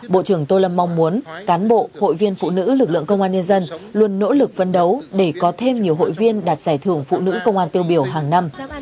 bộ trưởng tô lâm mong muốn cán bộ hội viên phụ nữ lực lượng công an nhân dân luôn nỗ lực phấn đấu để có thêm nhiều hội viên đạt giải thưởng phụ nữ công an tiêu biểu hàng năm